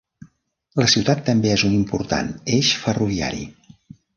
La ciutat també és un important eix ferroviari.